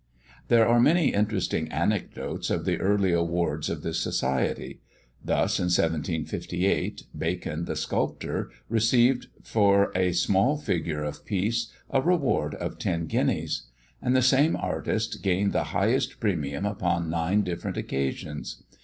There are many interesting anecdotes of the early awards of this Society. Thus, in 1758, Bacon, the sculptor, received for a small figure of Peace a reward of ten guineas; and the same artist gained the highest premium upon nine different occasions.